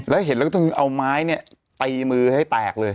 แล้วเห็นแล้วก็ต้องเอาไม้เนี่ยตีมือให้แตกเลย